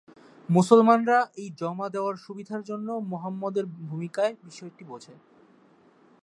মুসলমানরা এই জমা দেওয়ার সুবিধার জন্য মুহাম্মদের ভূমিকার বিষয়টি বোঝে।